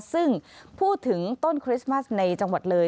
ซึ่งพูดถึงต้นคริสต์มัสในจังหวัดเลย